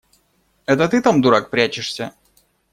Это ты там, дурак, прячешься?